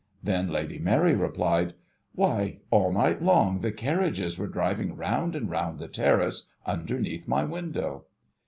Then, Lady Mary replied, ' Why, all night long, the carriages were driving round and round the terrace, underneath my window